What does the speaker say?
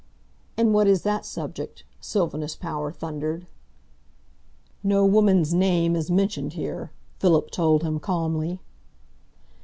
"And what is that subject?" Sylvanus Power thundered. "No woman's name is mentioned here," Philip told him calmly.